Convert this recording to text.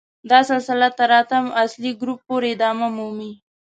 دا سلسله تر اتم اصلي ګروپ پورې ادامه مومي.